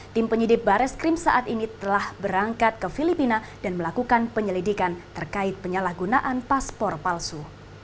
tim penyidik bares krim saat ini telah berangkat ke filipina dan melakukan penyelidikan terkait penyalahgunaan paspor palsu